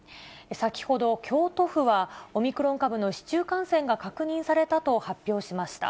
先ほど、京都府はオミクロン株の市中感染が確認されたと発表しました。